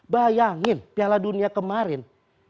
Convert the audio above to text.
bayangin piala dunia kemarin